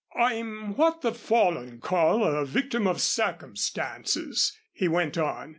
"I'm what the fallen call a victim of circumstances," he went on.